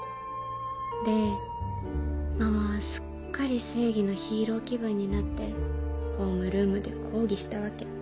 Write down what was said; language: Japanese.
でママはすっかり正義のヒーロー気分になってホームルームで抗議したわけ。